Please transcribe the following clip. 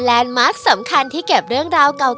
แลนด์มาร์ทสำคัญที่เก็บเรื่องราวเก่าแก่